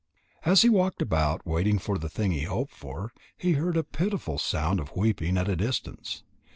As he walked about waiting for the thing he hoped for, he heard a pitiful sound of weeping at a distance.